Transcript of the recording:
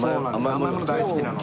甘いもの大好きなので。